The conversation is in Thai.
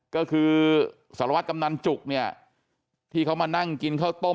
ก็คือสรวจกำนันจุกที่เขามานั่งกินข้าวต้ม